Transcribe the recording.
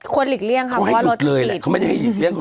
ควรหลีกเลี่ยงค่ะเพราะว่ารถที่ปิด